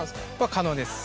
可能です。